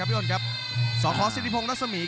และอัพพิวัตรสอสมนึก